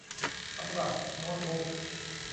สำหรับโน๊ตบุ๊ค